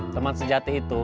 teman sejati itu